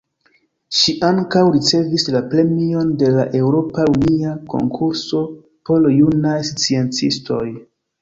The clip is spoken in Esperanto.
Ŝi ankaŭ ricevis la Premion de la Eŭropa Unia Konkurso por Junaj Sciencistoj.